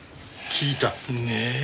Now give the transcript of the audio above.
聞いた？ねえ？